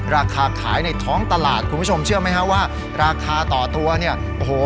ราคาขายในท้องตลาดคุณผู้ชมเชื่อไหมฮะว่าราคาต่อตัวเนี่ยโอ้โห